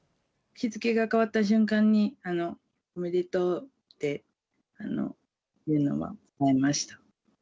日付が変わった瞬間に、おめでとうっていうのは思いました。